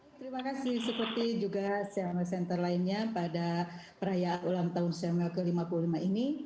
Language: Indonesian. terima kasih seperti juga cnn center lainnya pada perayaan ulang tahun chanmal ke lima puluh lima ini